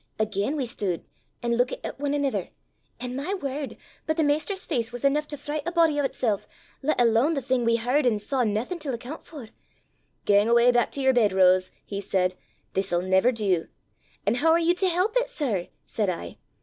Again we stood an' luikit at ane anither; an' my word! but the maister's face was eneuch to fricht a body o' 'tsel', lat alane the thing we h'ard an' saw naething til accoont for! 'Gang awa' back to yer bed, Rose,' he said; 'this'll never do!' 'An' hoo are ye to help it, sir?' said I.